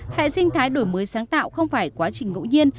hệ sinh thái đổi mới sáng tạo không phải quá trình ngẫu nhiên